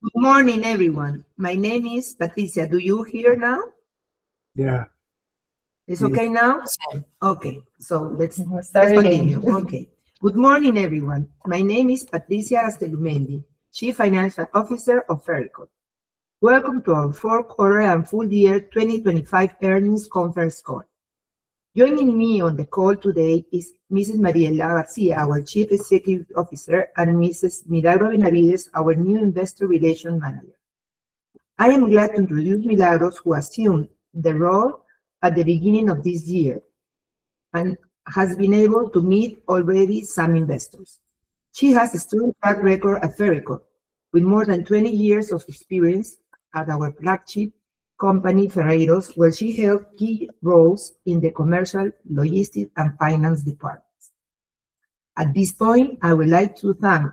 Good morning, everyone. My name is Patricia. Do you hear now? Yeah. It's okay now? Yes. Okay, so let's- Let's start again. Okay. Good morning, everyone. My name is Patricia Gastelumendi, Chief Financial Officer of Ferreycorp. Welcome to our fourth quarter and full-year 2025 earnings conference call. Joining me on the call today is Mrs. Mariela García, our Chief Executive Officer, and Mrs. Milagros Benavides, our new Investor Relations Manager. I am glad to introduce Milagros, who assumed the role at the beginning of this year and has been able to meet already some investors. She has a strong track record at Ferreycorp, with more than 20 years of experience at our flagship company, Ferreyros, where she held key roles in the commercial, logistics, and finance departments. At this point, I would like to thank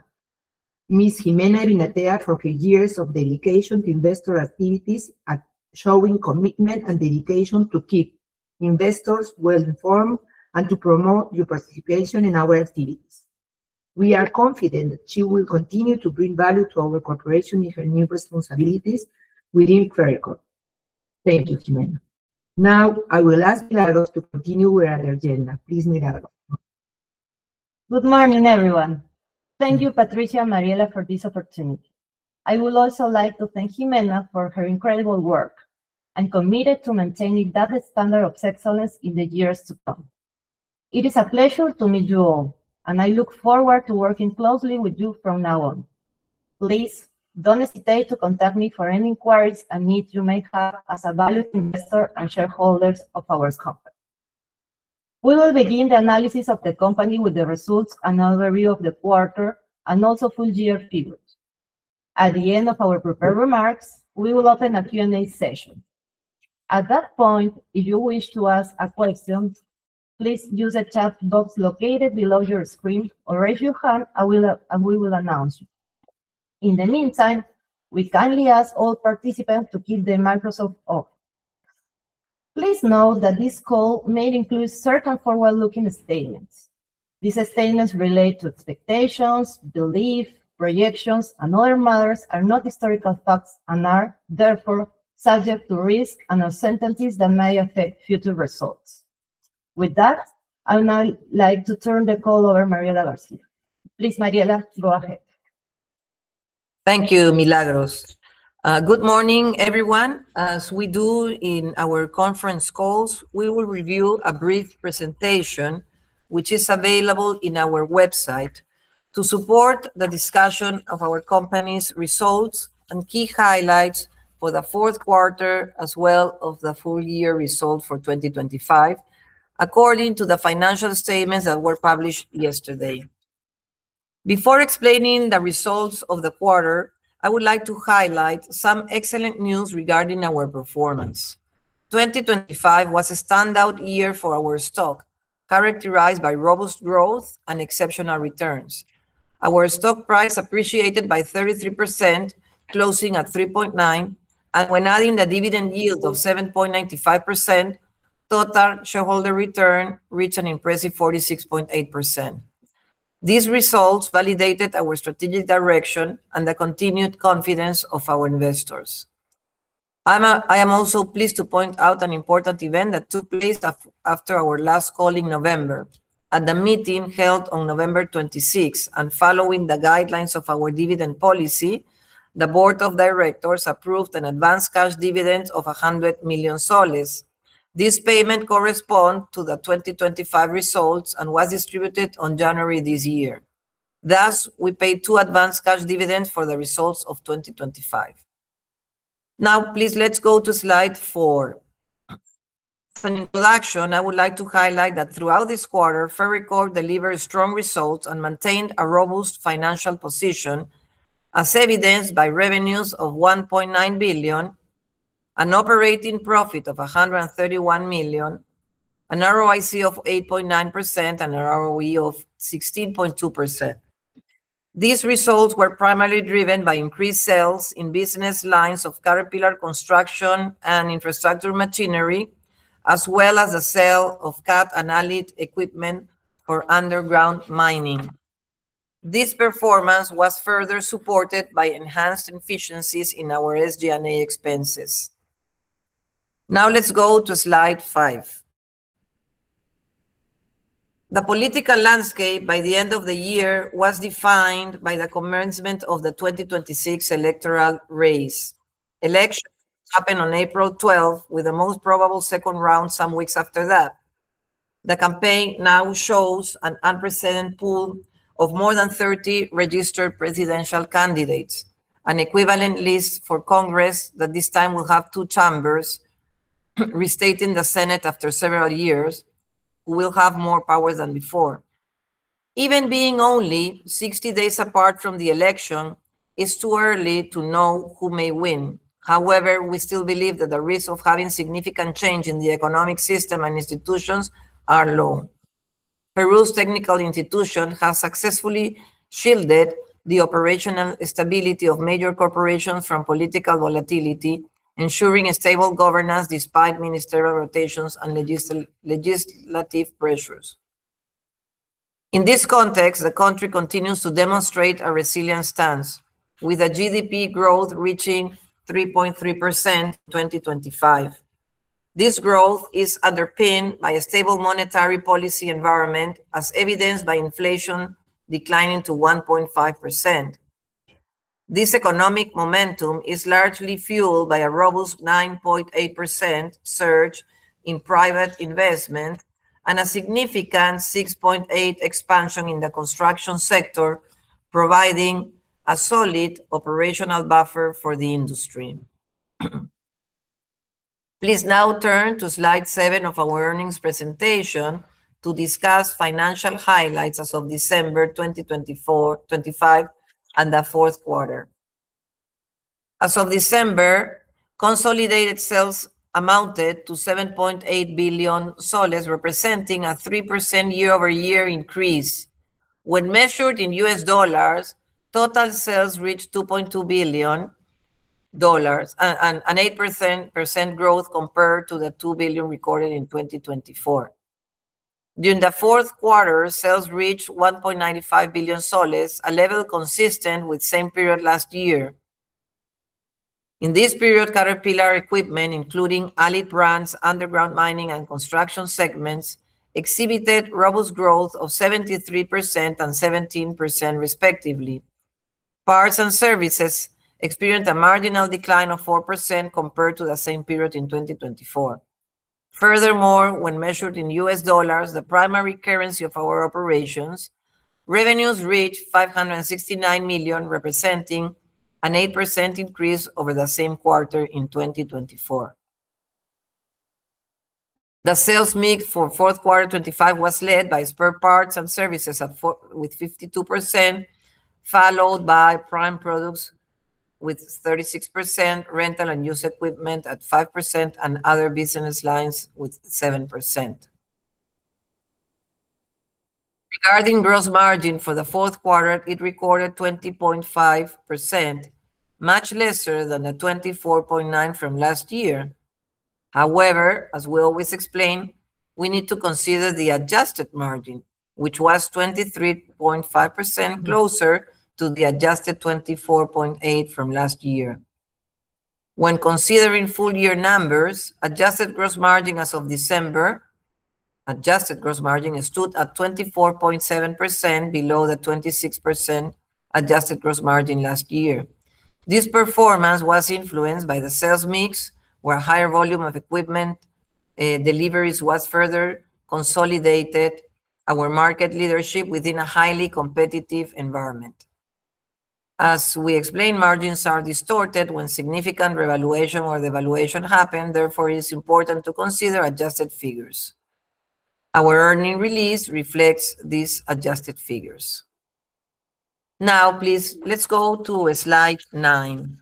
Ms. Jimena de Vinatea for her years of dedication to investor activities and showing commitment and dedication to keep investors well-informed and to promote your participation in our activities. We are confident that she will continue to bring value to our corporation in her new responsibilities within Ferreycorp. Thank you, Jimena. Now, I will ask Milagros to continue with our agenda. Please, Milagros. Good morning, everyone. Thank you, Patricia and Mariela, for this opportunity. I would also like to thank Jimena for her incredible work. I'm committed to maintaining that standard of excellence in the years to come. It is a pleasure to meet you all, and I look forward to working closely with you from now on. Please don't hesitate to contact me for any inquiries and needs you may have as a valued investor and shareholders of our company. We will begin the analysis of the company with the results and overview of the quarter and also full-year figures. At the end of our prepared remarks, we will open a Q&A session. At that point, if you wish to ask a question, please use the chat box located below your screen or raise your hand, and we will announce you. In the meantime, we kindly ask all participants to keep their microphones off. Please note that this call may include certain forward-looking statements. These statements relate to expectations, belief, projections, and other matters are not historical facts and are therefore subject to risk and uncertainties that may affect future results. With that, I would now like to turn the call over to Mariela García. Please, Mariela, go ahead. Thank you, Milagros. Good morning, everyone. As we do in our conference calls, we will review a brief presentation, which is available in our website, to support the discussion of our company's results and key highlights for the fourth quarter, as well as the full-year results for 2025, according to the financial statements that were published yesterday. Before explaining the results of the quarter, I would like to highlight some excellent news regarding our performance. 2025 was a standout year for our stock, characterized by robust growth and exceptional returns. Our stock price appreciated by 33%, closing at PEN 3.9, and when adding the dividend yield of 7.95%, total shareholder return reached an impressive 46.8%. These results validated our strategic direction and the continued confidence of our investors. I am also pleased to point out an important event that took place after our last call in November. At the meeting held on November 26th, and following the guidelines of our dividend policy, the Board of Directors approved an advanced cash dividend of PEN 100 million. This payment correspond to the 2025 results and was distributed on January this year. Thus, we paid two advanced cash dividends for the results of 2025. Now, please, let's go to slide four. As an introduction, I would like to highlight that throughout this quarter, Ferreycorp delivered strong results and maintained a robust financial position, as evidenced by revenues of PEN 1.9 billion, an operating profit of PEN 131 million, an ROIC of 8.9%, and an ROE of 16.2%. These results were primarily driven by increased sales in business lines of Caterpillar construction and infrastructure machinery, as well as the sale of Cat and Allied equipment for underground mining. This performance was further supported by enhanced efficiencies in our SG&A expenses. Now, let's go to slide five. The political landscape by the end of the year was defined by the commencement of the 2026 electoral race. Elections happen on April 12, with the most probable second round some weeks after that. The campaign now shows an unprecedented pool of more than 30 registered presidential candidates, an equivalent list for Congress, that this time will have two chambers, restating the Senate after several years, will have more power than before. Even being only 60 days apart from the election, it's too early to know who may win. However, we still believe that the risk of having significant change in the economic system and institutions are low. Peru's technical institution has successfully shielded the operational stability of major corporations from political volatility, ensuring a stable governance despite ministerial rotations and legislative pressures. In this context, the country continues to demonstrate a resilient stance, with a GDP growth reaching 3.3% in 2025. This growth is underpinned by a stable monetary policy environment, as evidenced by inflation declining to 1.5%. This economic momentum is largely fueled by a robust 9.8% surge in private investment and a significant 6.8% expansion in the construction sector, providing a solid operational buffer for the industry. Please now turn to slide seven of our earnings presentation to discuss financial highlights as of December 2024, 2025, and the fourth quarter. As of December, consolidated sales amounted to PEN 7.8 billion, representing a 3% year-over-year increase. When measured in U.S. dollars, total sales reached $2.2 billion, an 8% growth compared to the $2 billion recorded in 2024. During the fourth quarter, sales reached PEN 1.95 billion, a level consistent with same period last year. In this period, Caterpillar equipment, including Allied Brands, Underground Mining, and Construction segments, exhibited robust growth of 73% and 17% respectively. Parts and services experienced a marginal decline of 4% compared to the same period in 2024. Furthermore, when measured in U.S. dollars, the primary currency of our operations, revenues reached $569 million, representing an 8% increase over the same quarter in 2024. The sales mix for fourth quarter 2025 was led by spare parts and services at with 52%, followed by prime products with 36%, rental and used equipment at 5%, and other business lines with 7%. Regarding gross margin for the fourth quarter, it recorded 20.5%, much lesser than the 24.9% from last year. However, as we always explain, we need to consider the adjusted margin, which was 23.5%, closer to the adjusted 24.8% from last year. When considering full-year numbers, adjusted gross margin as of December. Adjusted gross margin stood at 24.7%, below the 26% adjusted gross margin last year. This performance was influenced by the sales mix, where higher volume of equipment deliveries was further consolidated our market leadership within a highly competitive environment. As we explained, margins are distorted when significant revaluation or devaluation happen. Therefore, it is important to consider adjusted figures. Our earnings release reflects these adjusted figures. Now, please, let's go to slide nine.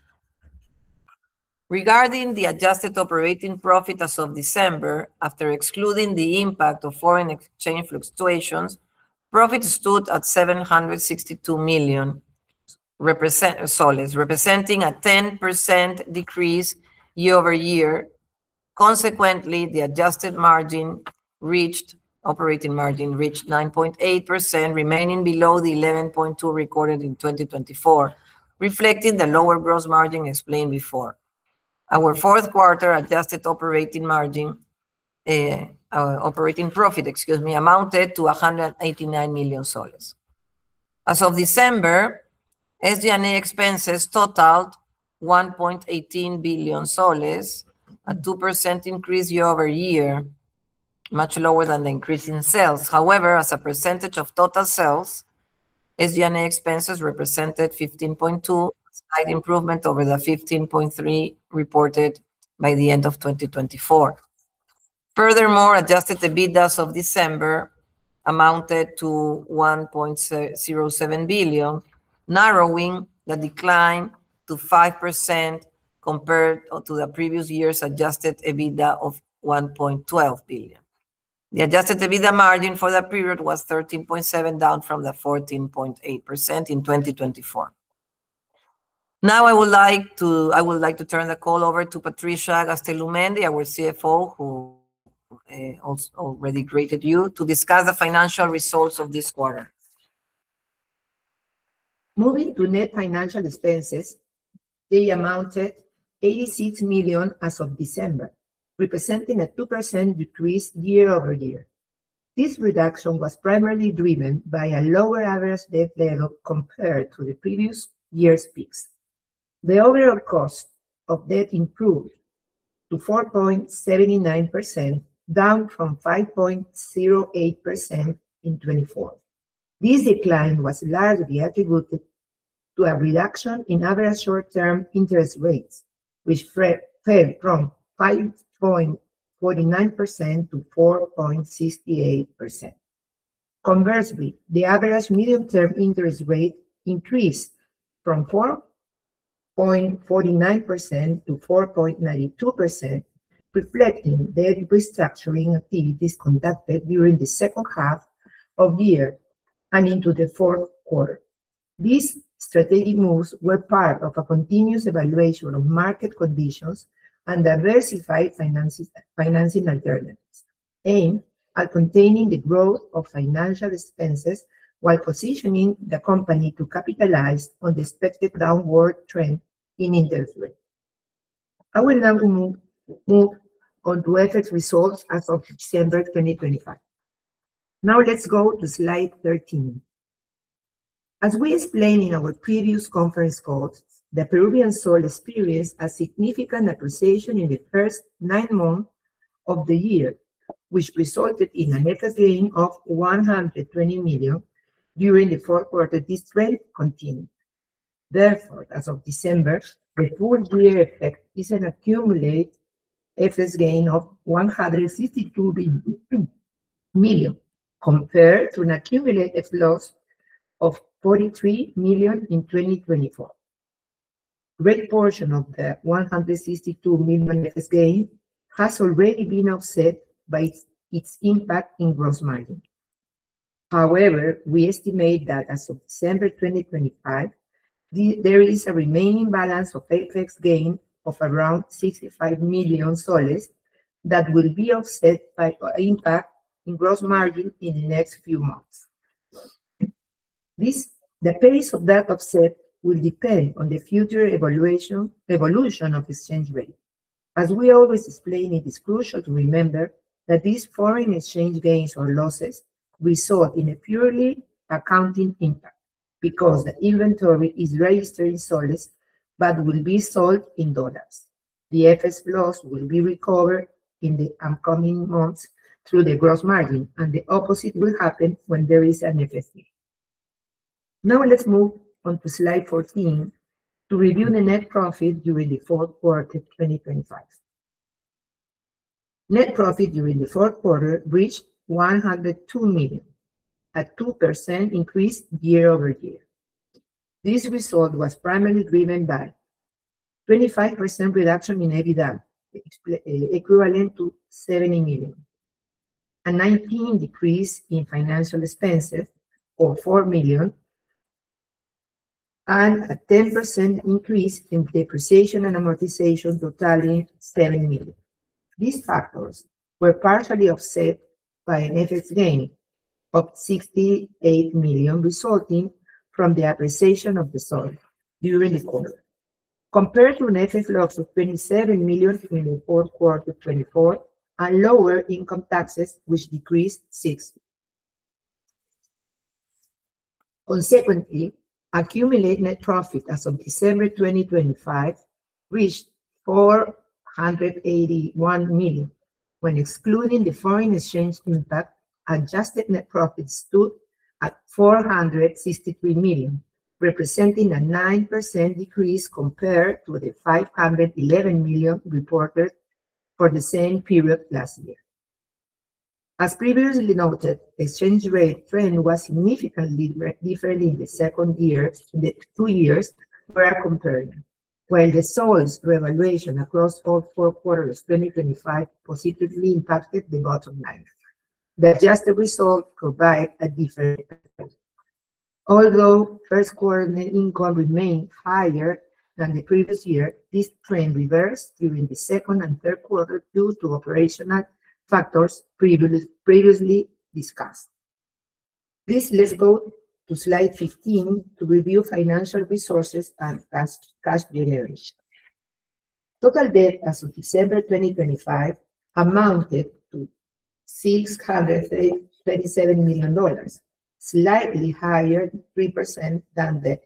Regarding the adjusted operating profit as of December, after excluding the impact of foreign exchange fluctuations, profit stood at PEN 762 million, representing a 10% decrease year-over-year. Consequently, the adjusted margin reached operating margin reached 9.8%, remaining below the 11.2% recorded in 2024, reflecting the lower gross margin explained before. Our fourth quarter adjusted operating margin, operating profit, excuse me, amounted to PEN 189 million. As of December, SG&A expenses totaled PEN 1.18 billion, a 2% increase year-over-year, much lower than the increase in sales. However, as a percentage of total sales, SG&A expenses represented 15.2%, a slight improvement over the 15.3% reported by the end of 2024. Furthermore, adjusted EBITDA as of December amounted to PEN 1.07 billion, narrowing the decline to 5% compared to the previous year's adjusted EBITDA of PEN 1.12 billion. The adjusted EBITDA margin for the period was 13.7%, down from the 14.8% in 2024. Now, I would like to, I would like to turn the call over to Patricia Gastelumendi, our CFO, who also already greeted you, to discuss the financial results of this quarter. Moving to net financial expenses. They amounted PEN 86 million as of December, representing a 2% decrease year-over-year. This reduction was primarily driven by a lower average debt level compared to the previous year's peaks. The overall cost of debt improved to 4.79%, down from 5.08% in 2024. This decline was largely attributed to a reduction in average short-term interest rates, which fell from 5.49% to 4.68%. Conversely, the average medium-term interest rate increased from 4.49% to 4.92%, reflecting the restructuring activities conducted during the second half of the year and into the fourth quarter. These strategic moves were part of a continuous evaluation of market conditions and diversified finances, financing alternatives, aimed at containing the growth of financial expenses while positioning the company to capitalize on the expected downward trend in interest rates. I would now to move on to FX results as of December 2025. Now let's go to slide 13. As we explained in our previous conference calls, the Peruvian sol experienced a significant appreciation in the first nine months of the year, which resulted in a net gain of PEN 120 million during the fourth quarter. This trend continued. Therefore, as of December, the full-year effect is an accumulated FX gain of PEN 162 million, compared to an accumulated loss of PEN 43 million in 2024. A great portion of the PEN 162 million FX gain has already been offset by its impact in gross margin. However, we estimate that as of December 2025, there is a remaining balance of FX gain of around PEN 65 million that will be offset by impact in gross margin in the next few months. The pace of that offset will depend on the future evolution of exchange rate. As we always explain, it is crucial to remember that these foreign exchange gains or losses result in a purely accounting impact because the inventory is registered in soles but will be sold in dollars. The FX loss will be recovered in the upcoming months through the gross margin, and the opposite will happen when there is an FX gain. Now let's move on to slide 14 to review the net profit during the fourth quarter 2025. Net profit during the fourth quarter reached PEN 102 million, a 2% increase year-over-year. This result was primarily driven by 25% reduction in EBITDA, equivalent to PEN 70 million, a 19% decrease in financial expenses, or PEN 4 million, and a 10% increase in depreciation and amortization, totaling PEN 70 million. These factors were partially offset by an FX gain of PEN 68 million, resulting from the appreciation of the sol during the quarter. Compared to an FX loss of PEN 27 million in the fourth quarter of 2024 and lower income taxes, which decreased 6%. Consequently, accumulated net profit as of December 2025 reached PEN 481 million. When excluding the foreign exchange impact, adjusted net profit stood at PEN 463 million, representing a 9% decrease compared to the PEN 511 million reported for the same period last year. As previously noted, exchange rate trend was significantly different in the second year, the two years were compared, while the sol's revaluation across all four quarters 2025 positively impacted the bottom line. The adjusted result provide a different picture. Although first quarter net income remained higher than the previous year, this trend reversed during the second and third quarter due to operational factors previously discussed. Please let's go to slide 15 to review financial resources and cash generation. Total debt as of December 2025 amounted to $637 million, slightly higher, 3%, than the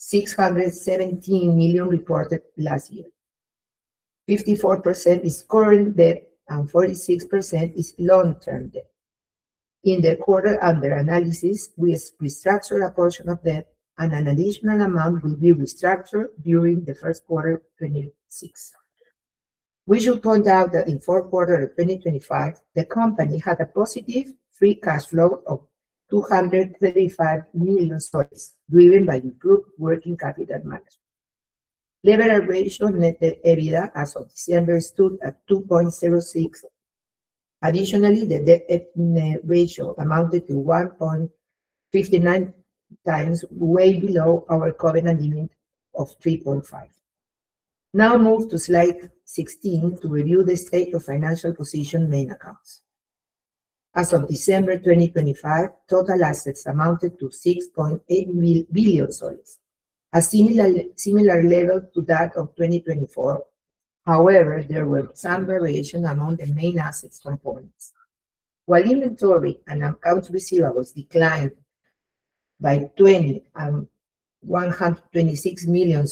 $617 million reported last year. 54% is current debt, and 46% is long-term debt. In the quarter under analysis, we restructured a portion of debt, and an additional amount will be restructured during the first quarter of 2026. We should point out that in fourth quarter of 2025, the company had a positive free cash flow of PEN 235 million, driven by the group working capital management. Leverage ratio on net debt-to-EBITDA as of December stood at 2.06. Additionally, the debt-to-EBITDA ratio amounted to 1.59x, way below our covenant limit of 3.5. Now move to slide 16 to review the state of financial position main accounts. As of December 2025, total assets amounted to PEN 6.8 billion, a similar level to that of 2024. However, there were some variations among the main assets components. While inventory and accounts receivables declined by PEN 20 million and PEN 126 million,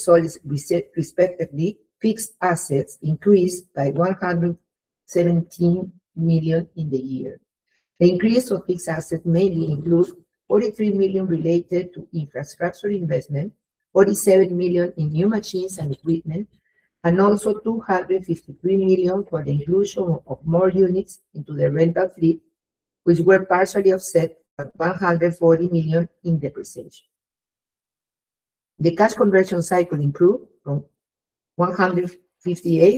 respectively, fixed assets increased by PEN 117 million in the year. The increase of fixed assets mainly include PEN 43 million related to infrastructure investment, PEN 47 million in new machines and equipment, and also PEN 253 million for the inclusion of more units into the rental fleet, which were partially offset by PEN 140 million in depreciation. The cash conversion cycle improved from 158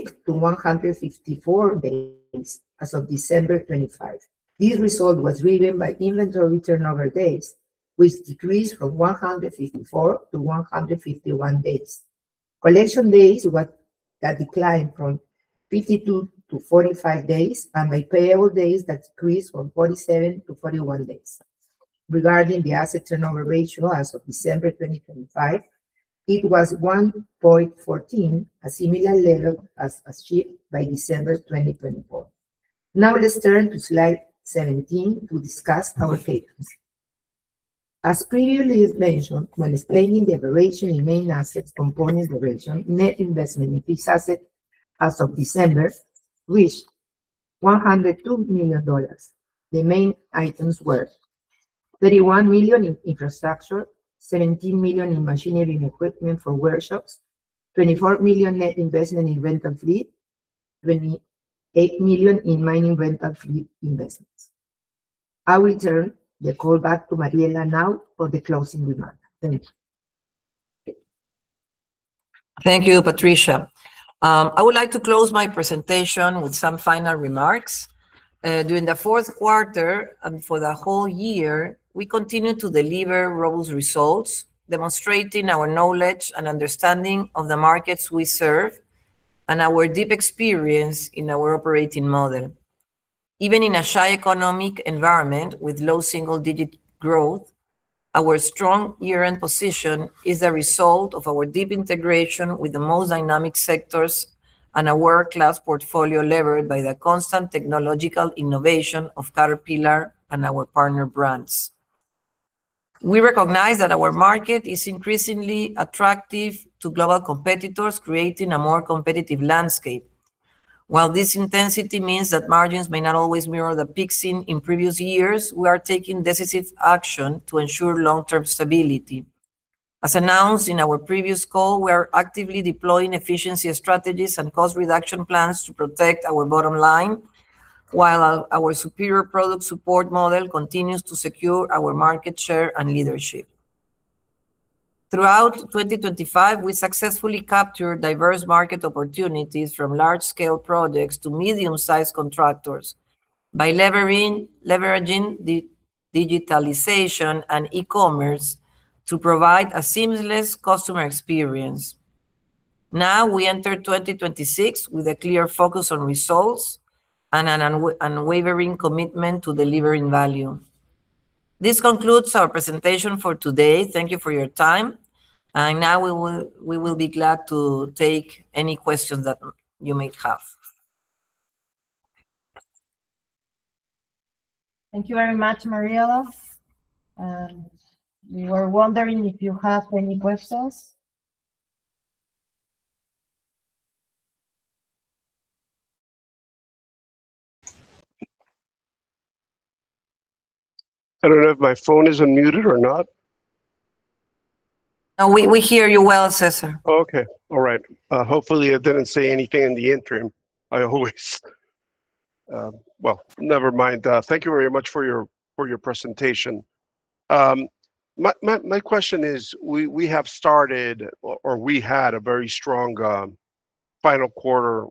days to 154 days as of December 25. This result was driven by inventory turnover days, which decreased from 154 days to 151 days. Collection days were declined from 52 days to 45 days, and my payable days that decreased from 47 days to 41 days. Regarding the asset turnover ratio as of December 2025, it was 1.14, a similar level as achieved by December 2024. Now let's turn to slide 17 to discuss our CapEx. As previously mentioned, when explaining the variation in main assets components variation, net investment in fixed asset as of December reached $102 million. The main items were $31 million in infrastructure, $17 million in machinery and equipment for workshops, $24 million net investment in rental fleet, $28 million in mining rental fleet investments. I will turn the call back to Mariela now for the closing remarks. Thank you. Thank you, Patricia. I would like to close my presentation with some final remarks. During the fourth quarter, and for the whole year, we continued to deliver robust results, demonstrating our knowledge and understanding of the markets we serve, and our deep experience in our operating model. Even in a shy economic environment with low single-digit growth, our strong year-end position is a result of our deep integration with the most dynamic sectors and our world-class portfolio levered by the constant technological innovation of Caterpillar and our partner brands. We recognize that our market is increasingly attractive to global competitors, creating a more competitive landscape. While this intensity means that margins may not always mirror the peaks in previous years, we are taking decisive action to ensure long-term stability. As announced in our previous call, we are actively deploying efficiency strategies and cost reduction plans to protect our bottom line, while our superior product support model continues to secure our market share and leadership. Throughout 2025, we successfully captured diverse market opportunities, from large-scale projects to medium-sized contractors, by leveraging the digitalization and e-commerce to provide a seamless customer experience. Now, we enter 2026 with a clear focus on results and an unwavering commitment to delivering value. This concludes our presentation for today. Thank you for your time, and now we will be glad to take any questions that you may have. Thank you very much, Mariela. We were wondering if you have any questions? I don't know if my phone is unmuted or not. No, we hear you well, Cesar. Okay. All right. Hopefully I didn't say anything in the interim. Well, never mind. Thank you very much for your, for your presentation. My question is: we have started, or we had a very strong final quarter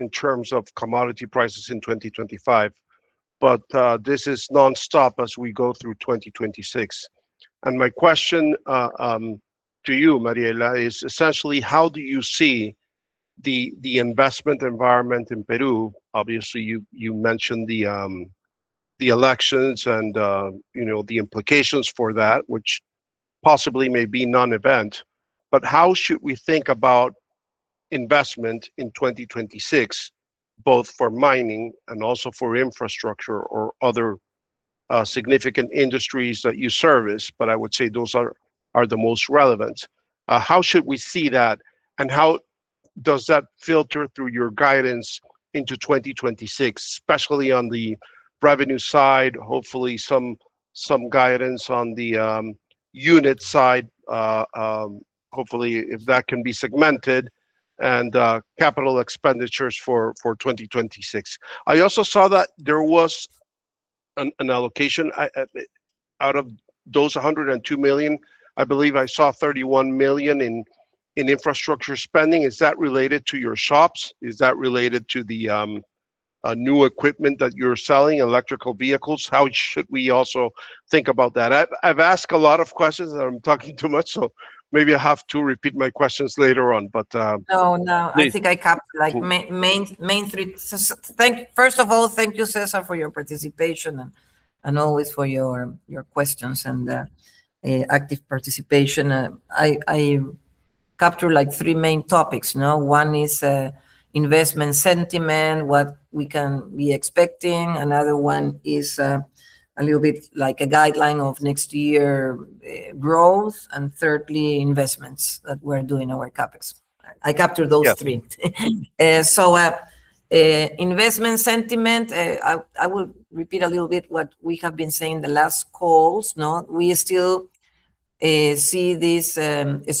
in terms of commodity prices in 2025, but this is nonstop as we go through 2026. And my question to you, Mariela, is essentially how do you see the investment environment in Peru? Obviously, you mentioned the elections and you know the implications for that, which possibly may be non-event. But how should we think about investment in 2026, both for mining and also for infrastructure or other significant industries that you service? But I would say those are the most relevant. How should we see that, and how does that filter through your guidance into 2026, especially on the revenue side? Hopefully, some guidance on the unit side, hopefully, if that can be segmented, and capital expenditures for 2026. I also saw that there was an allocation. Out of those $102 million, I believe I saw $31 million in infrastructure spending. Is that related to your shops? Is that related to the new equipment that you're selling, electrical vehicles? How should we also think about that? I've asked a lot of questions, and I'm talking too much, so maybe I have to repeat my questions later on, but. No, no. Please. I think I captured like main three. First of all, thank you, Cesar, for your participation, and always for your questions and active participation. I capture like three main topics, no? One is investment sentiment, what we can be expecting. Another one is a little bit like a guideline of next year growth, and thirdly, investments that we're doing in our CapEx. Yeah. I captured those three. So, investment sentiment, I will repeat a little bit what we have been saying the last calls, no? We still see this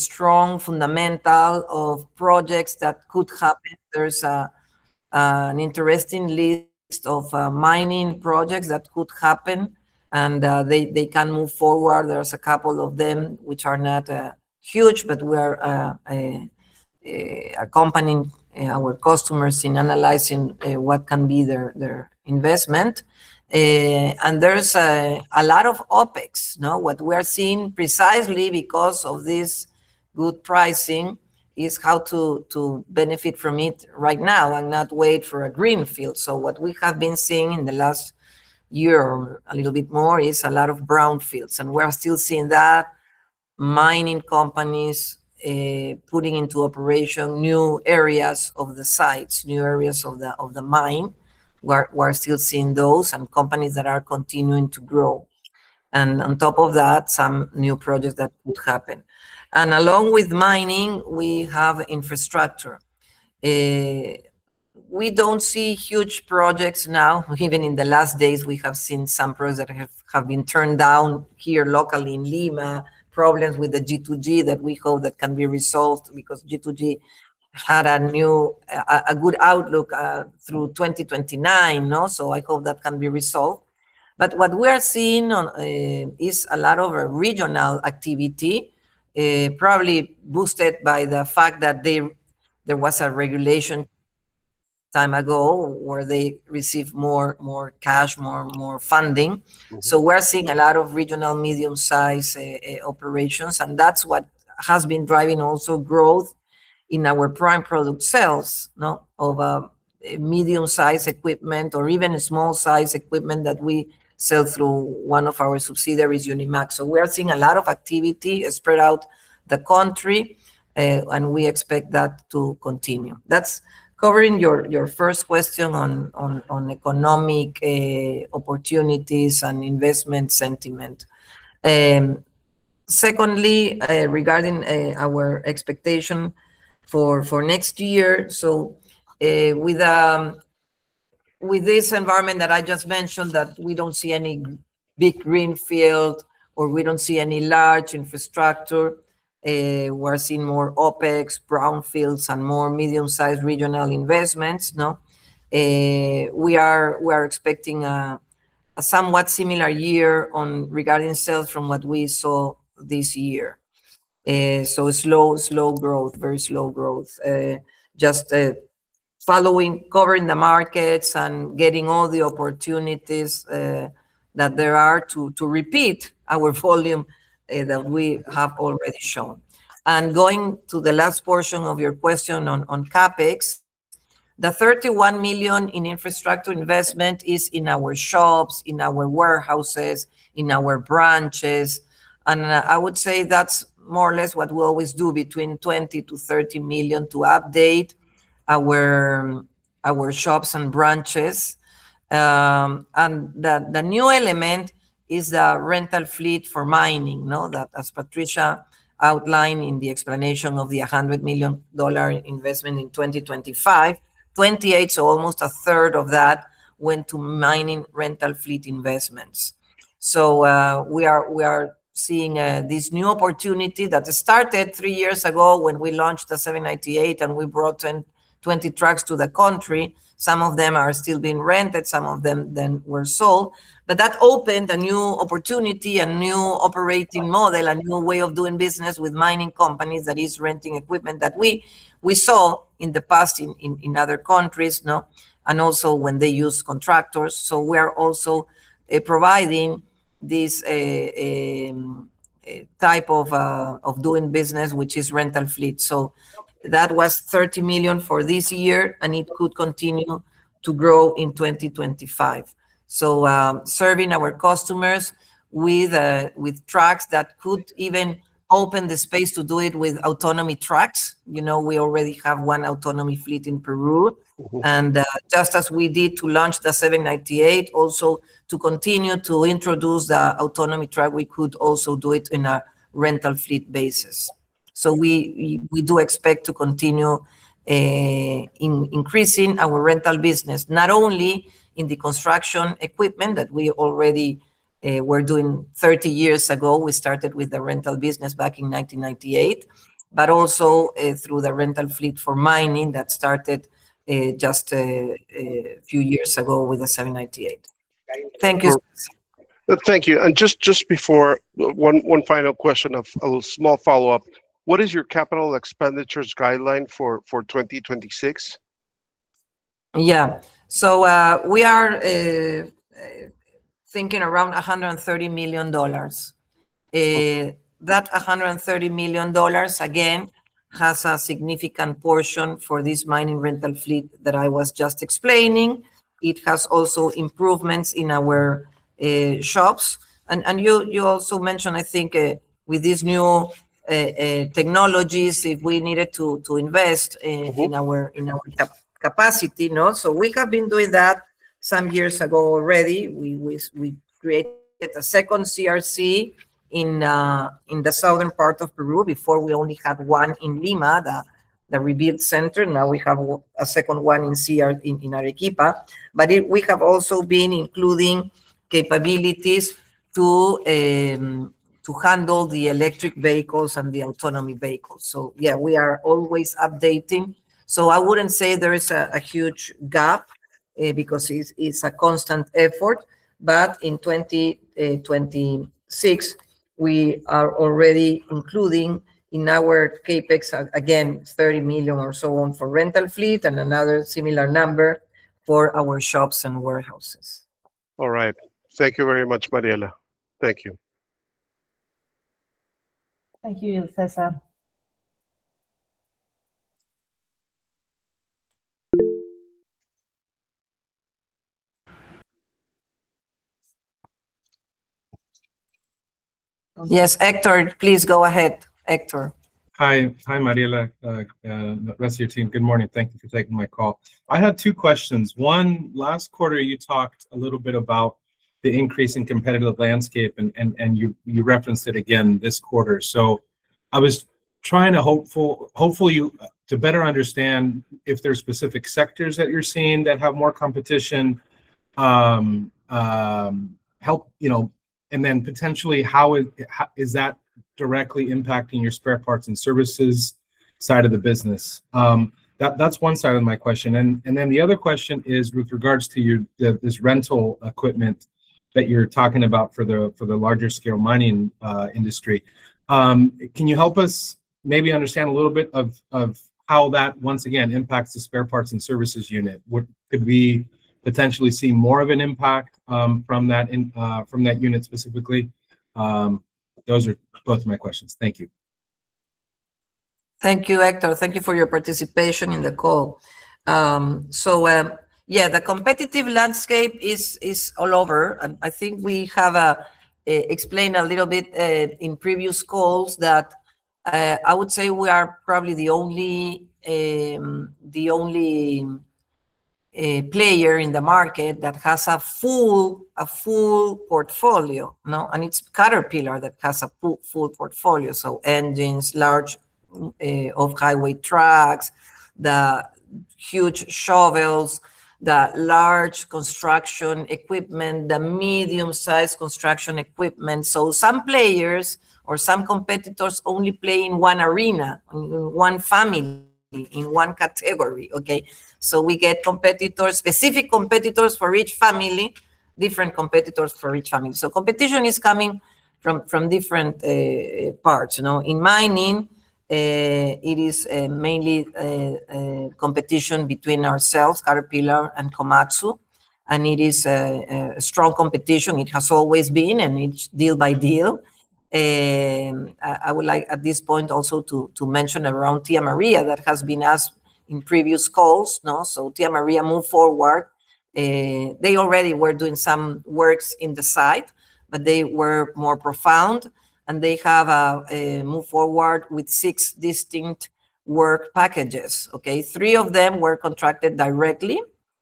strong fundamental of projects that could happen. There's an interesting list of mining projects that could happen, and they can move forward. There's a couple of them which are not huge, but we are accompanying our customers in analyzing what can be their investment. And there's a lot of OpEx, no? What we are seeing precisely because of this good pricing is how to benefit from it right now and not wait for a greenfield. So what we have been seeing in the last year or a little bit more is a lot of brownfields, and we're still seeing that, mining companies putting into operation new areas of the sites, new areas of the mine. We're still seeing those, and companies that are continuing to grow, and on top of that, some new projects that could happen. And along with mining, we have infrastructure. We don't see huge projects now. Even in the last days, we have seen some projects that have been turned down here locally in Lima, problems with the G2G that we hope that can be resolved because G2G had a new, a good outlook through 2029, no? So I hope that can be resolved. What we are seeing on is a lot of regional activity, probably boosted by the fact that there was a regulation time ago where they received more cash, more funding. Mm-hmm. So we're seeing a lot of regional medium-size operations, and that's what has been driving also growth in our prime product sales, no, of medium-size equipment or even small-size equipment that we sell through one of our subsidiaries, Unimaq. So we are seeing a lot of activity spread out the country, and we expect that to continue. That's covering your first question on economic opportunities and investment sentiment. Secondly, regarding our expectation for next year, so, with this environment that I just mentioned, that we don't see any big greenfield, or we don't see any large infrastructure, we're seeing more OpEx, brownfields, and more medium-sized regional investments, no? We are expecting a somewhat similar year regarding sales from what we saw this year, so slow growth, very slow growth, following, covering the markets and getting all the opportunities that there are to repeat our volume that we have already shown. And going to the last portion of your question on CapEx, the $31 million in infrastructure investment is in our shops, in our warehouses, in our branches, and I would say that's more or less what we always do, between $20 million-$30 million to update our shops and branches. And the new element is the rental fleet for mining, no? That, as Patricia outlined in the explanation of the $100 million investment in 2025, $28 million, so almost a third of that, went to mining rental fleet investments. So, we are seeing this new opportunity that started three years ago when we launched the 798, and we brought in 20 trucks to the country. Some of them are still being rented, some of them then were sold, but that opened a new opportunity, a new operating model, a new way of doing business with mining companies, that is renting equipment that we saw in the past in other countries, no? And also when they use contractors, so we are also providing this type of doing business, which is rental fleet. So that was $30 million for this year, and it could continue to grow in 2025. So, serving our customers with trucks, that could even open the space to do it with autonomy trucks. You know, we already have one autonomy fleet in Peru. Mm-hmm. Just as we did to launch the 798, also to continue to introduce the autonomy truck, we could also do it in a rental fleet basis. So we do expect to continue in increasing our rental business, not only in the construction equipment that we already were doing 30 years ago, we started with the rental business back in 1998, but also through the rental fleet for mining that started just a few years ago with the 798. Thank you. Thank you, and just before, one final question, a little small follow-up: what is your capital expenditures guideline for 2026? Yeah. So, we are thinking around $130 million. Mm. That $130 million, again, has a significant portion for this mining rental fleet that I was just explaining. It has also improvements in our shops, and you also mentioned, I think, with these new technologies, if we needed to invest. Mm-hmm. In our capacity, no? So we have been doing that some years ago already. We created a second CRC in the southern part of Peru. Before we only had one in Lima, the rebuild center. Now we have a second one in Arequipa. But we have also been including capabilities to handle the electric vehicles and the autonomy vehicles. So yeah, we are always updating. So I wouldn't say there is a huge gap, because it's a constant effort. But in 2026, we are already including in our CapEx, again, $30 million or so for rental fleet and another similar number for our shops and warehouses. All right. Thank you very much, Mariela. Thank you. Thank you, Cesar. Yes, Hector. Please go ahead, Hector. Hi. Hi, Mariela, the rest of your team, good morning. Thank you for taking my call. I had two questions. One, last quarter, you talked a little bit about the increase in competitive landscape, and you referenced it again this quarter. So I was trying to hopefully better understand if there are specific sectors that you're seeing that have more competition, you know, and then potentially, how is that directly impacting your spare parts and services side of the business? That's one side of my question. And then the other question is with regards to your, the, this rental equipment that you're talking about for the, for the larger scale mining industry. Can you help us maybe understand a little bit of how that, once again, impacts the spare parts and services unit? Would, could we potentially see more of an impact, from that in, from that unit specifically? Those are both my questions. Thank you. Thank you, Hector. Thank you for your participation in the call. So, yeah, the competitive landscape is all over, and I think we have explained a little bit in previous calls that I would say we are probably the only player in the market that has a full portfolio, no? And it's Caterpillar that has a full portfolio, so engines, large off-highway trucks, the huge shovels, the large construction equipment, the medium-sized construction equipment. So some players or some competitors only play in one arena, in one family, in one category, okay? So we get competitors, specific competitors for each family, different competitors for each family. So competition is coming from different parts, you know. In mining, it is mainly a competition between ourselves, Caterpillar, and Komatsu, and it is a strong competition. It has always been, and it's deal by deal. I would like, at this point, also to mention around Tía María, that has been asked in previous calls, no? So Tía María moved forward. They already were doing some works in the site, but they were more profound, and they have moved forward with six distinct work packages, okay? Three of them were contracted directly,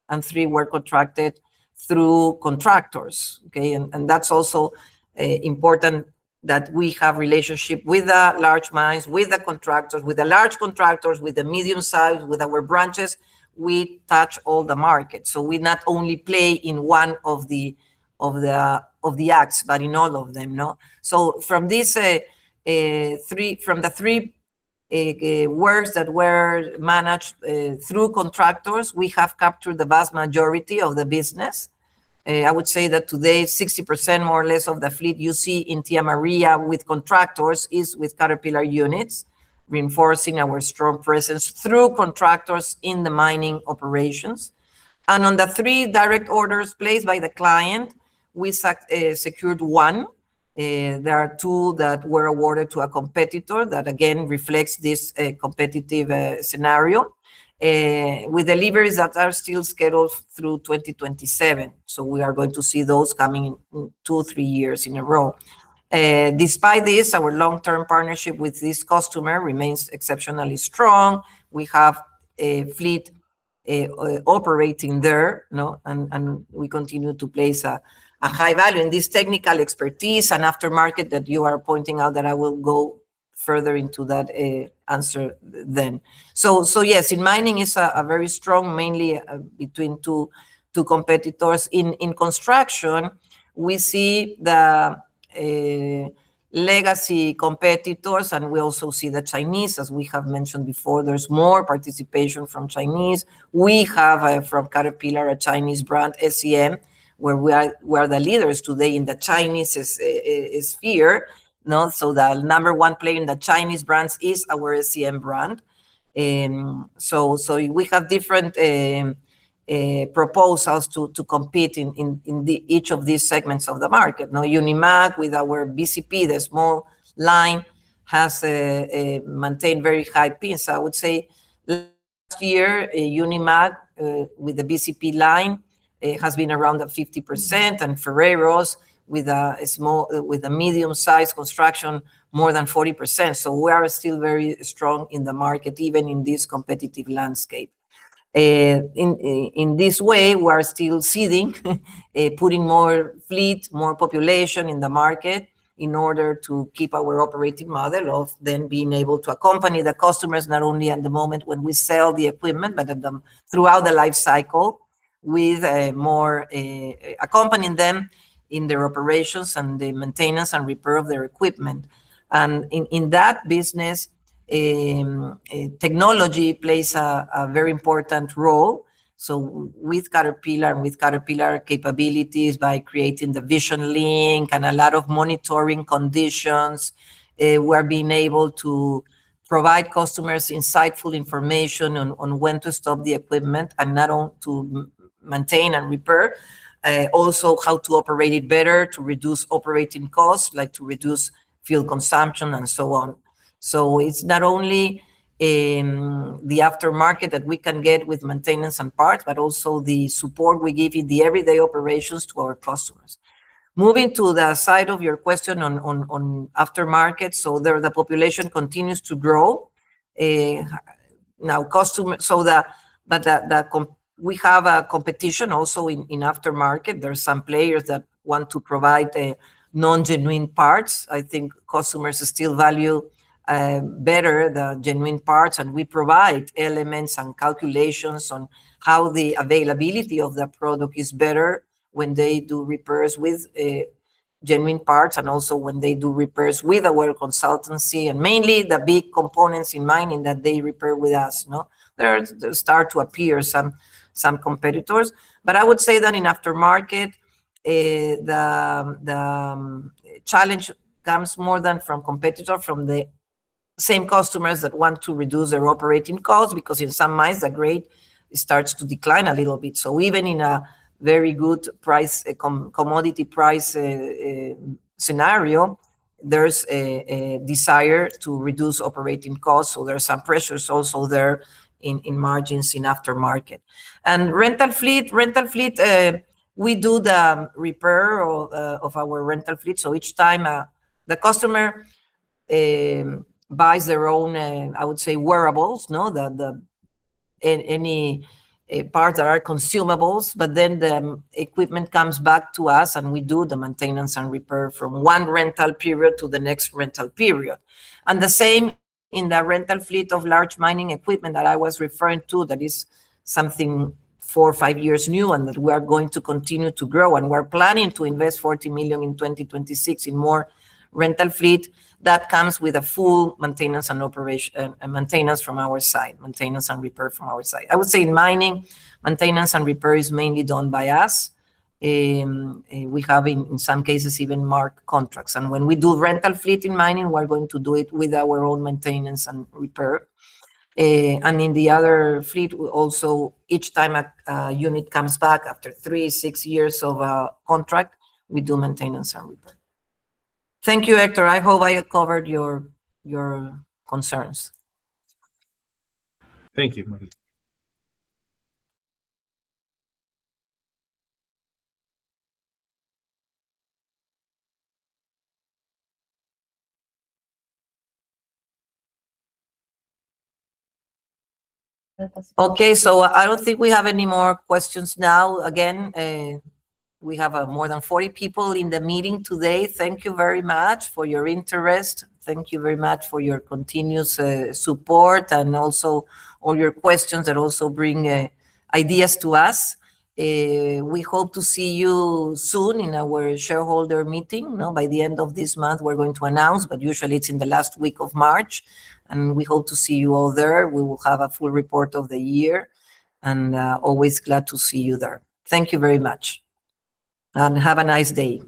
and three were contracted through contractors, okay? And that's also important that we have relationship with the large mines, with the contractors, with the large contractors, with the medium-sized, with our branches. We touch all the markets, so we not only play in one of the acts, but in all of them, no? So from the three works that were managed through contractors, we have captured the vast majority of the business. I would say that today, 60%, more or less, of the fleet you see in Tía María with contractors is with Caterpillar units, reinforcing our strong presence through contractors in the mining operations. And on the three direct orders placed by the client, we secured one, there are two that were awarded to a competitor that again reflects this competitive scenario, with deliveries that are still scheduled through 2027. So we are going to see those coming in two to three years in a row. Despite this, our long-term partnership with this customer remains exceptionally strong. We have a fleet operating there, no? And we continue to place a high value in this technical expertise and aftermarket that you are pointing out, that I will go further into that answer then. So yes, in mining, it's a very strong, mainly between two competitors. In construction, we see the legacy competitors, and we also see the Chinese. As we have mentioned before, there's more participation from Chinese. We have from Caterpillar, a Chinese brand, SEM, where we are the leaders today in the Chinese sphere, no? So the number one player in the Chinese brands is our SEM brand. So we have different proposals to compete in each of these segments of the market, no? Unimaq with our BCP, the small line, has maintained very high pace. I would say last year, Unimaq with the BCP line has been around 50%, and Ferreyros with a small with a medium-sized construction, more than 40%. So we are still very strong in the market, even in this competitive landscape. In this way, we are still seeding, putting more fleet, more population in the market in order to keep our operating model of then being able to accompany the customers, not only at the moment when we sell the equipment, but at them throughout the life cycle. With more accompanying them in their operations and the maintenance and repair of their equipment. And in that business, technology plays a very important role. So with Caterpillar and with Caterpillar capabilities, by creating the VisionLink and a lot of monitoring conditions, we're being able to provide customers insightful information on when to stop the equipment, and not only to maintain and repair, also how to operate it better to reduce operating costs, like to reduce fuel consumption, and so on. So it's not only in the aftermarket that we can get with maintenance and parts, but also the support we give in the everyday operations to our customers. Moving to the side of your question on aftermarket, so there, the population continues to grow. Now, customers—so that company—we have a competition also in aftermarket. There are some players that want to provide non-genuine parts. I think customers still value better the genuine parts, and we provide elements and calculations on how the availability of the product is better when they do repairs with genuine parts, and also when they do repairs with our consultancy, and mainly the big components in mining that they repair with us, no? There start to appear some competitors. But I would say that in aftermarket, the challenge comes more than from competitor, from the same customers that want to reduce their operating costs, because in some mines, the grade, it starts to decline a little bit. So even in a very good price commodity price scenario, there's a desire to reduce operating costs, so there are some pressures also there in margins in aftermarket. And rental fleet we do the repair of our rental fleet. So each time the customer buys their own I would say wearables, no? In any parts that are consumables, but then the equipment comes back to us, and we do the maintenance and repair from one rental period to the next rental period. And the same in the rental fleet of large mining equipment that I was referring to, that is something four, five years new, and that we are going to continue to grow, and we're planning to invest $40 million in 2026 in more rental fleet. That comes with a full maintenance and operation, maintenance from our side, maintenance and repair from our side. I would say in mining, maintenance and repair is mainly done by us. We have in, in some cases, even MARC contracts, and when we do rental fleet in mining, we're going to do it with our own maintenance and repair. And in the other fleet, we also, each time a, a unit comes back after three, six years of a contract, we do maintenance and repair. Thank you, Hector. I hope I have covered your, your concerns. Thank you, Maria. Okay, so I don't think we have any more questions now. Again, we have more than 40 people in the meeting today. Thank you very much for your interest. Thank you very much for your continuous support, and also all your questions that also bring ideas to us. We hope to see you soon in our shareholder meeting, no? By the end of this month, we're going to announce, but usually it's in the last week of March, and we hope to see you all there. We will have a full report of the year, and always glad to see you there. Thank you very much, and have a nice day.